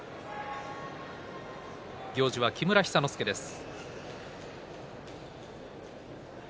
行司は木村寿之介です。